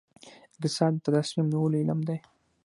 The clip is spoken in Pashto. اقتصاد د تصمیم نیولو علم دی